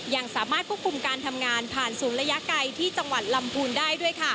ยังสามารถควบคุมการทำงานผ่านศูนย์ระยะไกลที่จังหวัดลำพูนได้ด้วยค่ะ